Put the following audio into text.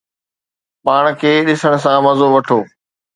پاڻ کي ڏسڻ سان مزو وٺو